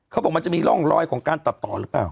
เขาบอกมันจะมีร่องรอยของการตัดต่อหรือเปล่า